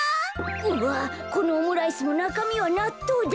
うわこのオムライスもなかみはなっとうだ！